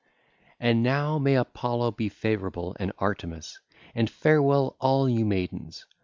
(ll. 165 178) And now may Apollo be favourable and Artemis; and farewell all you maidens.